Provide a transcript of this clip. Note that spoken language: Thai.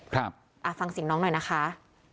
ฮะอ่าฟังสิ่งน้องหน่อยนะคะ